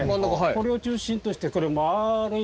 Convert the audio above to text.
これを中心としてこれ丸い。